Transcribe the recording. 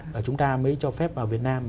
và chúng ta mới cho phép vào việt nam